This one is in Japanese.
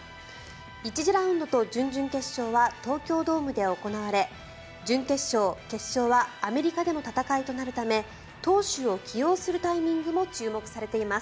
１次ラウンドと準々決勝は東京ドームで行われ準決勝、決勝はアメリカでの戦いとなるため投手を起用するタイミングも注目されています。